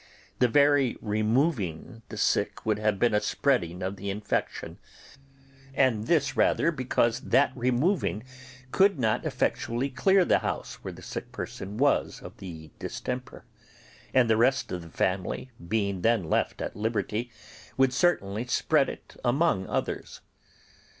The very removing the sick would have been a spreading of the infection, and rather because that removing could not effectually clear the house where the sick person was of the distemper; and the rest of the family, being then left at liberty, would certainly spread it among others.